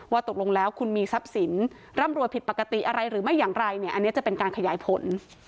ตกลงแล้วคุณมีทรัพย์สินร่ำรวยผิดปกติอะไรหรือไม่อย่างไรเนี่ยอันนี้จะเป็นการขยายผล